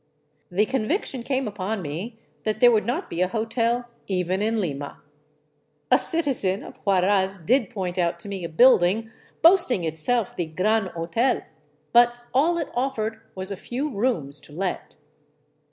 The conviction came upon me that there would not be a hotel even in Lima. A citizen of Huaraz did point out to me a building boasting 302 THE ROOF OF PERU itself the " Gran Hotel," but all it offered was a few rooms to let.